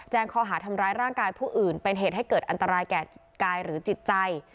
ข้อหาทำร้ายร่างกายผู้อื่นเป็นเหตุให้เกิดอันตรายแก่กายหรือจิตใจ